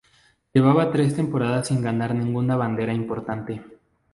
Llevaba tres temporadas sin ganar ninguna bandera importante.